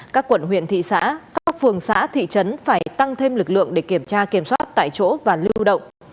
các quận huyện thị xã các phường xã thị trấn phải tăng thêm lực lượng để kiểm tra kiểm soát tại chỗ và lưu động